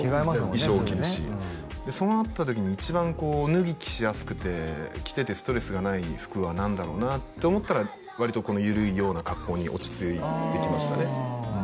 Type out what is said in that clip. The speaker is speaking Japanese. もんね衣装着るしでそうなった時に一番こう脱ぎ着しやすくて着ててストレスがない服は何だろうなと思ったらわりとこの緩いような格好に落ち着いてきましたね